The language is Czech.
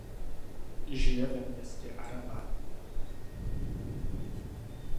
Žije ve městě Araba.